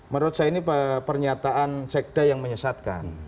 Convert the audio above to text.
menurut saya ini pernyataan sekda yang menyesatkan